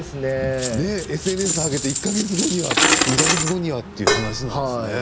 ＳＮＳに上げて１か月後には、２か月後にはという感じで。